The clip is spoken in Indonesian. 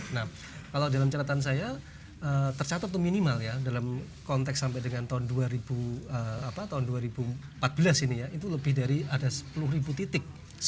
nah kalau dalam catatan saya tercatat itu minimal ya dalam konteks sampai dengan tahun dua ribu empat belas ini ya itu lebih dari ada sepuluh ribu titik